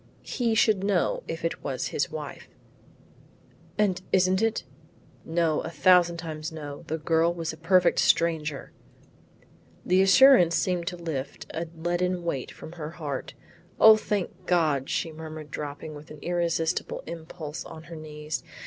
He should know if it is his wife." "And isn't it?" "No, a thousand times no; the girl was a perfect stranger." The assurance seemed to lift a leaden weight from her heart. "O thank God," she murmured dropping with an irresistible impulse on her knees.